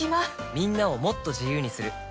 みんなをもっと自由にする「三菱冷蔵庫」